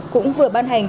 cũng vừa ban hành